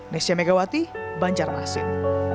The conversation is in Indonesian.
nesya megawati banjarmasin